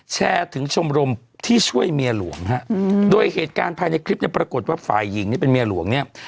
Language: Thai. แชร์ถึงชมรมที่ช่วยเมียหลวงฮะโดยเหตุการณ์ภายในคลิปเนี่ยปรากฏว่าฝ่ายหญิงนี่เป็นเมียหลวงเนี่ย